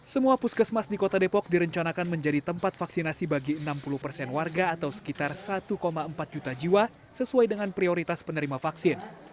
semua puskesmas di kota depok direncanakan menjadi tempat vaksinasi bagi enam puluh persen warga atau sekitar satu empat juta jiwa sesuai dengan prioritas penerima vaksin